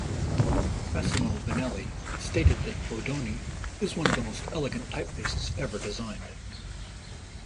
Massimo Vignelli stated that Bodoni is one of the most elegant typefaces ever designed.